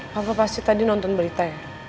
bapak pasti tadi nonton berita ya